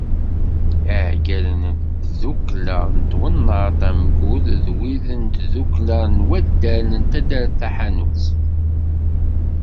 I Iɛeggalen n tddukkla n twennaḍt Amgud d wid n tdukkla n waddal n taddart Taḥanut.